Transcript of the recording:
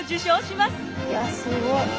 いやすごい。